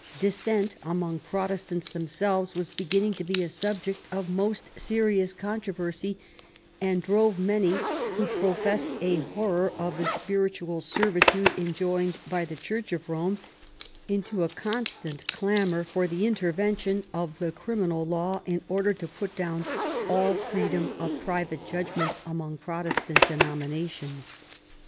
Dis sent among Protestants themselves was beginning to be a subject of most serious controversy, and drove many, who professed a horror of the spiritual servi tude enjoined by the Church of Rome, into a constant clamor for the intervention of the criminal law in order to put down all freedom of private judgment among Protestant denominations.